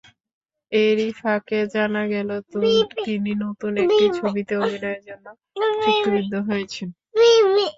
এরই ফাঁকে জানা গেল তিনি নতুন একটি ছবিতে অভিনয়ের জন্য চুক্তিবদ্ধ হয়েছেন।